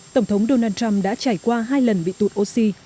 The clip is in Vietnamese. tổng thống donald trump đã trải qua hai lần biểu diễn